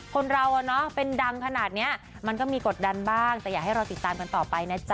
คนเราเป็นดังขนาดนี้มันก็มีกดดันบ้างแต่อยากให้เราติดตามกันต่อไปนะจ๊